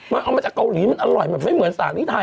มันเอามาจากเกาหลีมันอร่อยแบบไม่เหมือนสารีไทย